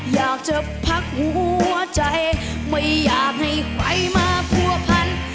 อยากจะพักหัวใจไม่อยากให้ใครมาผัวพัน